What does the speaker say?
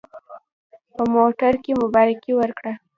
په موټر کې مبارکي ورکړه.